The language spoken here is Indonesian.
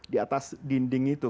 di atas dinding itu